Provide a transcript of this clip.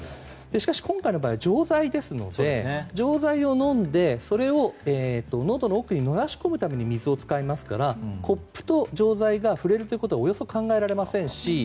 しかし、今回の場合は錠剤ですので錠剤をのどの奥に流し込むために水を使いますからコップと錠剤が触れるということはおよそ、考えられませんし。